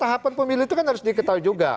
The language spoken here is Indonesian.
tahapan pemilu itu kan harus diketahui juga